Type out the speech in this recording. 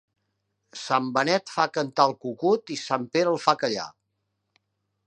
Sant Benet fa cantar el cucut i Sant Pere el fa callar.